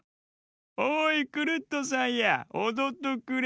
「おいクルットさんやおどっとくれ」。